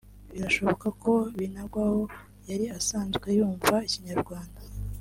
Birashoboka ko Binagwaho yari asanzwe yumva Ikinyarwanda